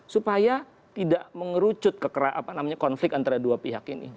supaya tidak mengerucut konflik antara dua pihak ini